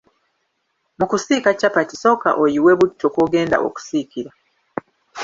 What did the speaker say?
Mu kusiika capati sooka oyiwe butto kw'ogenda okusiikira.